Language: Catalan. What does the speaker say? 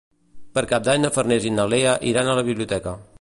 Per Cap d'Any na Farners i na Lea iran a la biblioteca.